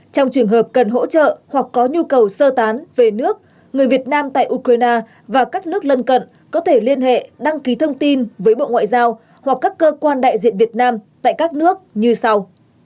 trong trường hợp cần hỗ trợ hoặc có nhu cầu sơ tán về nước người việt nam tại ukraine và các nước lân cận có thể liên hệ đăng ký thông tin với bộ ngoại giao hoặc các cơ quan đại diện việt nam tại các nước như sau